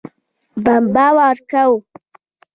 بمبه ولګوه